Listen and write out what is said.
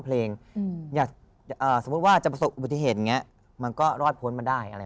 เพลงอย่าสมมุติว่าจะประสบปฏิเหตุมันก็รอดพ้นมาได้อะไร